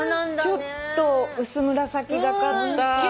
ちょっと薄紫がかった。